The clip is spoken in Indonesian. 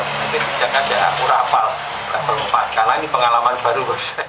ini tidak ada aku rapal level empat karena ini pengalaman baru